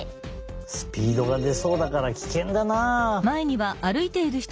スピードがでそうだからキケンだなあ。